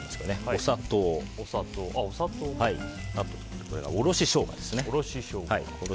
お砂糖、おろしショウガ。